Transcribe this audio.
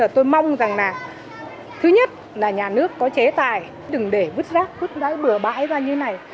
tôi mong rằng là thứ nhất là nhà nước có chế tài đừng để vứt rác vứt đái bừa bãi ra như này